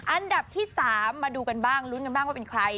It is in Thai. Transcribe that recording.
อันดับที่๓มาดูกันบ้างลุ้นกันบ้างว่าเป็นใคร